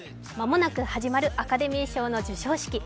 間もなく始まるアカデミー賞の授賞式。